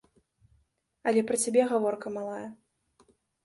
Але пра цябе гаворка малая.